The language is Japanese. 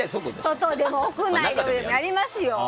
外でも屋内でもやりますよ！